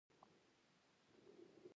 طالبانو ته د مسکو په غونډه کې